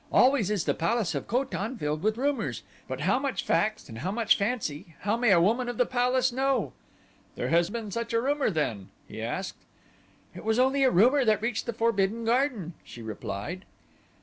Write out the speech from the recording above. "Always is the palace of Ko tan filled with rumors, but how much fact and how much fancy how may a woman of the palace know?" "There has been such a rumor then?" he asked. "It was only rumor that reached the Forbidden Garden," she replied.